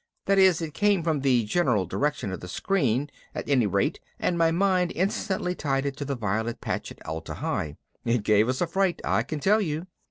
That is, it came from the general direction of the screen at any rate and my mind instantly tied it to the violet patch at Atla Hi. It gave us a fright, I can tell you.